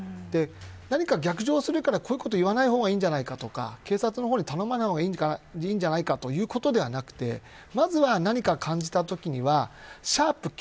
何か逆上するからこういうこと言わないほうがいいんじゃないかとか警察に頼まない方がいいんじゃないかということではなくてまずは、何か感じたときには＃